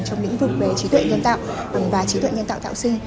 trong lĩnh vực về trí tuệ nhân tạo và trí tuệ nhân tạo tạo sinh